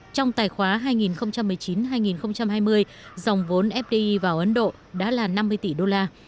trong tài khoá hai nghìn một mươi chín hai nghìn hai mươi dòng vốn fdi vào ấn độ đã là năm mươi tỷ đô la